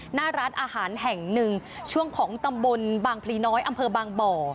หน้าร้านอาหารแห่งหนึ่งช่วงของตำบลบางพลีน้อยอำเภอบางบ่อ